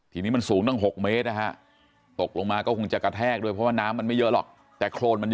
ทีนี้มันสูงตั้ง๖เมตรนะฮะตกลงมาก็คงจะกระแทกด้วยเพราะว่าน้ำมันไม่เยอะหรอกแต่โครนมันเยอะ